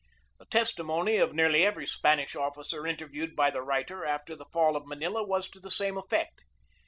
The testimony of nearly every Spanish officer interviewed by the writer after the fall of Manila was to the same effect.